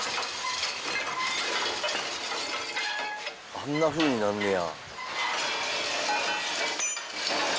あんなふうになんねや。